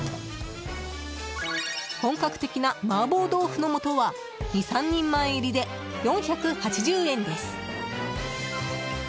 本格的な麻婆豆腐の素は２３人前入りで４８０円です。